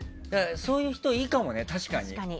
そういう人いいかもね、確かに。